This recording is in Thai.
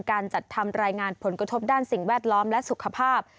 การจัดทำรายงานผลกระทบด้านสิ่งแวดล้อมและสุขภาพ